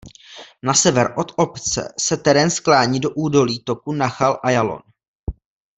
Na sever od obce se terén sklání do údolí toku Nachal Ajalon.